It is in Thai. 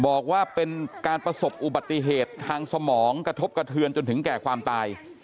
บอกว่าเป็นการประสบอุบัติเหตุทางสมองกระทบกระเทือนจนถึงแก่ความตาย